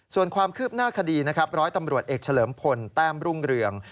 ส่วนความคืบหน้าคดีนะครับร้อยตำรวจเอกเฉลิมพลแต้มรุ่งเรือง